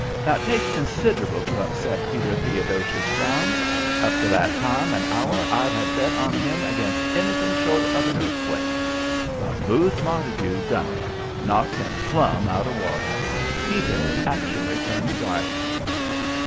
Now, it takes considerable to upset Peter Theodosius Brown. Up to that time and hour I'd have bet on him against anything short of an earthquake. But Booth Montague done it knocked him plumb out of water. Peter actually turned white.